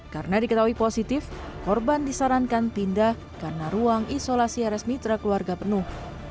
karena diketahui positif korban disarankan pindah karena ruang isolasi resmitra keluarga penuh